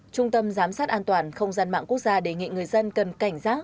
trung tâm giám sát an toàn không gian mạng quốc gia đề nghị người dân cần cảnh giác